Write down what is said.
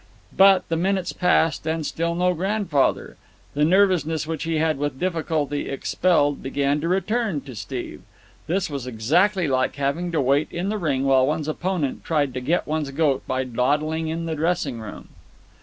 But the minutes passed, and still no grandfather. The nervousness which he had with difficulty expelled began to return to Steve. This was exactly like having to wait in the ring while one's opponent tried to get one's goat by dawdling in the dressing room.